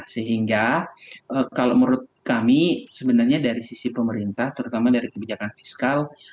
sehingga kalau menurut kami sebenarnya dari sisi pemerintah terutama dari kebijakan fiskal